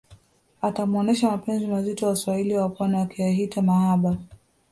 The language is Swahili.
atamuonesha mapenzi mazito waswahili wapwani wakiyahita mahaba